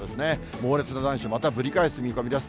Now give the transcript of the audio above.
猛烈な残暑、またぶり返す見込みです。